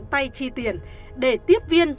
tay chi tiền để tiếp viên